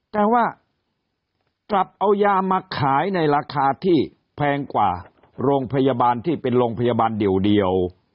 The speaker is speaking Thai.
แต่ว่ากลับเอายามาขายในราคาที่แพงกว่าโรงพยาบาลที่เป็นโรงพยาบาลเดียว